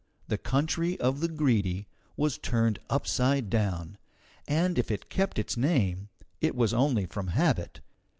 The country of the Greedy was turned upside down, and if it kept its name, it was only from habit.